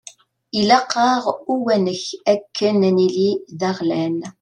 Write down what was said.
Ilaq-aɣ Uwanek akken ad nili d aɣlan.